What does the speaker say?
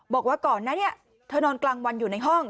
บอกว่าก่อนหน้านี้เธอนอนกลางวันอยู่ในห้อง